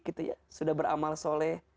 saya sudah beramal soleh